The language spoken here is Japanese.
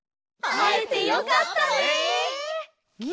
あえてよかったですね！